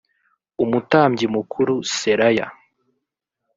umutambyi mukuru seraya